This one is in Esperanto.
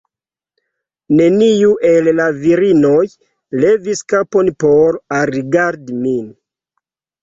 Neniu el la virinoj levis kapon por alrigardi min.